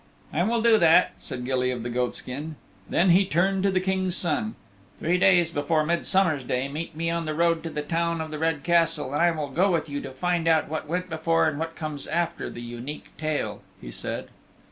"I will do that," said Gilly of the Goatskin. Then he turned to the King's Son. "Three days before Midsummer's Day meet me on the road to the Town of the Red Castle, and I will go with you to find out what went before and what comes after the Unique Tale," he said.